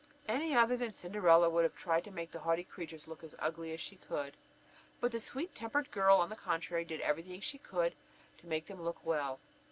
Any other than Cinderella would have tried to make the haughty creatures look as ugly as she could; but the sweet tempered girl on the contrary, did every thing she could think of to make them look well.